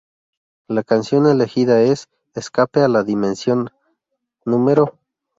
La canción elegida es "Escape a la dimensión nro.